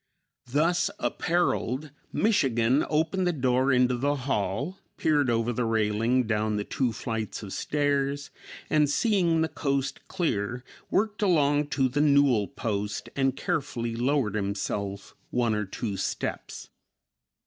Thus appareled "Michigan" opened the door into the hall, peered over the railing down the two flights of stairs and, seeing the coast clear, worked along to the newel post and carefully lowered himself one or two steps.